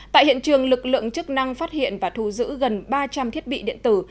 tại hiện trường lực lượng chức năng phát hiện và thu giữ gần ba trăm linh thiết bị điện tử